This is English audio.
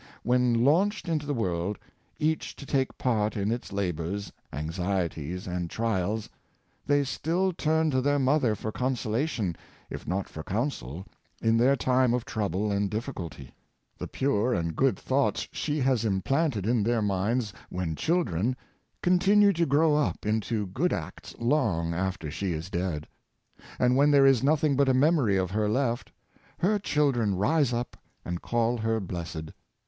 When launched into the world, each to take part in its labors, anxieties, and trials, they still turn to their mother for consolation, if not for counsel, in their time of trouble and difficulty. The pure and good thoughts she has implanted in their minds when children continue to grow up into good acts long after she is dead; and when there is nothing but a memory of her left, her children rise up and call her blessed.